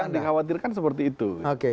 yang dikhawatirkan seperti itu